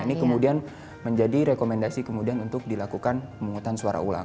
ini kemudian menjadi rekomendasi kemudian untuk dilakukan pemungutan suara ulang